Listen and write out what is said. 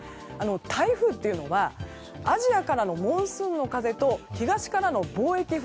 台風っていうのはアジアからのモンスーンの風と東からの貿易風